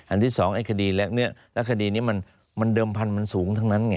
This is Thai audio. ที่สองไอ้คดีแรกนี้และคดีนี้มันเดิมพันธุ์มันสูงทั้งนั้นไง